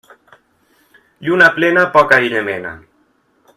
Lluna plena poc aire mena.